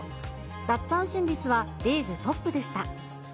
奪三振率はリーグトップでした。